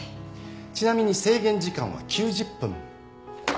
ちなみに制限時間は９０分。